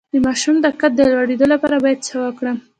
د ماشوم د قد د لوړیدو لپاره باید څه ورکړم؟